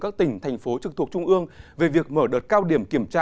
các tỉnh thành phố trực thuộc trung ương về việc mở đợt cao điểm kiểm tra